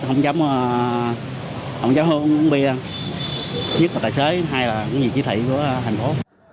không chấm hương bún bia nhất là tài xế hai là quán gì chỉ thị của thành phố